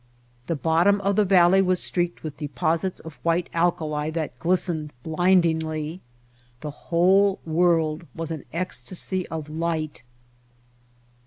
The bottom of the valley was streaked with deposits of white alkali that glistened blindingly. The whole world was an ecstasy of light.